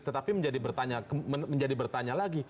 tetapi menjadi bertanya lagi